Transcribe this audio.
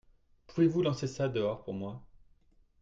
Pouvez-vous lancer ça dehors pour moi ?